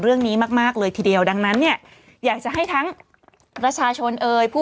เรื่องนี้มากมากเลยทีเดียวดังนั้นเนี่ยอยากจะให้ทั้งประชาชนเอ่ยผู้